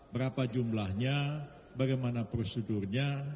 berapa jumlahnya bagaimana prosedurnya